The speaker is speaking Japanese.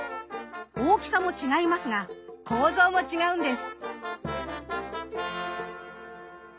大きさも違いますが構造も違うんです。